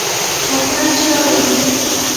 په اتڼ شوي